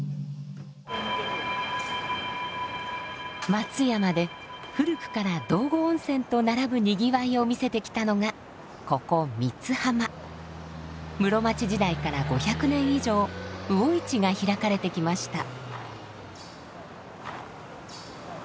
松山で古くから道後温泉と並ぶにぎわいを見せてきたのがここ室町時代から５００年以上魚市が開かれてきました。